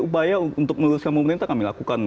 upaya untuk meluruskan pemerintah kami lakukan